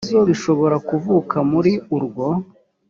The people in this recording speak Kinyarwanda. ibibazo bishobora kuvuka muri urwo